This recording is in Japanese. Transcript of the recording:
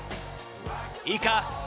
いいか？